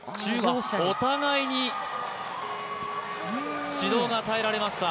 お互いに指導が与えられました。